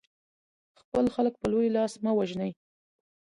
خپل خلک په لوی لاس مه وژنئ.